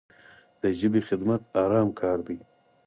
د ژبې خدمت ارام کار دی.